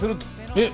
えっ！